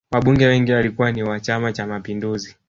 wabunge wengi walikuwa ni wa chama cha mapinduzi